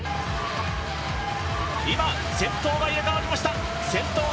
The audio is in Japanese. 今、先頭が入れ替わりました。